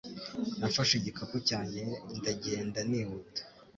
Nafashe igikapu cyanjye ndagenda nihuta.